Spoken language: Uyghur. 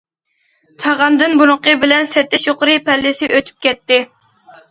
چاغاندىن بۇرۇنقى بېلەت سېتىش يۇقىرى پەللىسى ئۆتۈپ كەتتى.